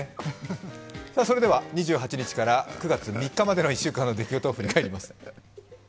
それでは、２８日から９月３日までの１週間の出来事を振り返ります。